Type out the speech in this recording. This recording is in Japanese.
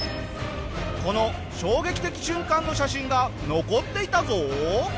この衝撃的瞬間の写真が残っていたぞ！